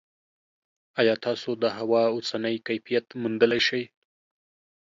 ایا تاسو د هوا اوسنی کیفیت موندلی شئ؟